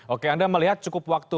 oke anda melihat cukup waktu